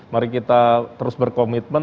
mari kita terus berkomitmen